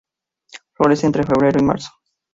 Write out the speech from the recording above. Florece entre febrero y marzo.